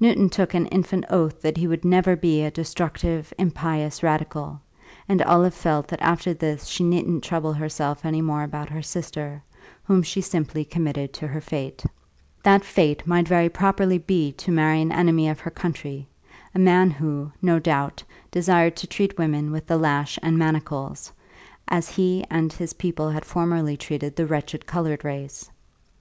Newton took an infant oath that he would never be a destructive, impious radical, and Olive felt that after this she needn't trouble herself any more about her sister, whom she simply committed to her fate. That fate might very properly be to marry an enemy of her country, a man who, no doubt, desired to treat women with the lash and manacles, as he and his people had formerly treated the wretched coloured race.